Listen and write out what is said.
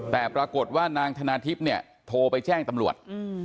แต่ปรากฏว่านางธนาทิพย์เนี่ยโทรไปแจ้งตำรวจ